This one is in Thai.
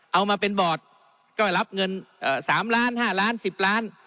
เอามาเป็นบอร์ดก็จะรับเงินสามล้านห้าล้านสิบล้าน